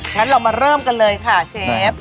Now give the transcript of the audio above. งั้นเรามาเริ่มกันเลยค่ะเชฟ